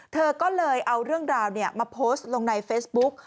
เธอก็เลยเอาเรื่องราวมาโพสต์ลงในเฟซบุ๊ก